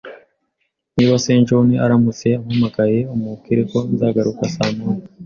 Niba S John aramutse ampamagaye, umubwire ko nzagaruka saa moya